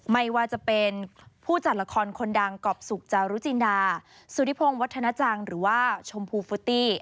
ไม่ว่าจะเป็นผู้จัดละครคนดังกรอบสุขจารุจินดาสุธิพงศ์วัฒนาจังหรือว่าชมพูฟุตตี้